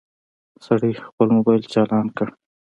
سړي خپل موبايل چالان کړ.